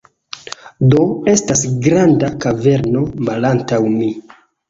Do, estas granda kaverno malantaŭ mi